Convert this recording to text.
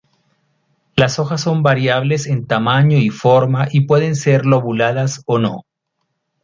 Las hojas son variables en tamaño y forma y pueden ser lobuladas o no.